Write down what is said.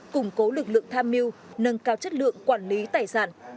củng cố lực lượng tham mưu nâng cao chất lượng quản lý tài sản